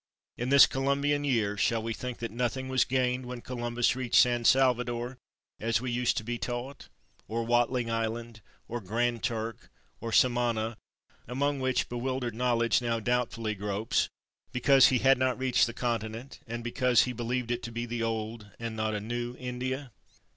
In this Columbian year shall we think that nothing was gained when Columbus reached San Salvador, as we used to be taught, or Watling Island, or Grand Turk, or Samana, among which bewildered knowledge now doubtfully gropes because he had not reached the continent, and because he believed it to be the old and not a new India?